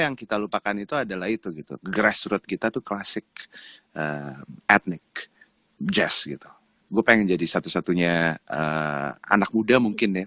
grassroot kita tuh klasik etnik jazz gitu gue pengen jadi satu satunya anak muda mungkin nih